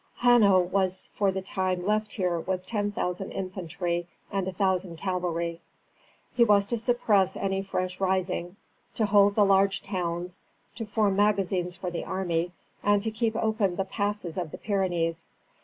Hanno was for the time left here with ten thousand infantry and a thousand cavalry. He was to suppress any fresh rising, to hold the large towns, to form magazines for the army, and to keep open the passes of the Pyrenees.